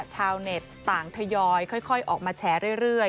ชาวเน็ตต่างทยอยค่อยออกมาแฉเรื่อย